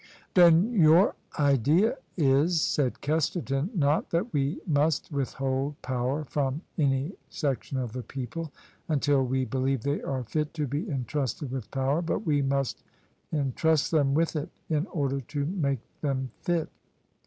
" Then your idea is," said Kesterton, " not that we must withhold power from any section of the people until we believe they are fit to be entrusted with power : but we must entrust them with it in order to make them fit?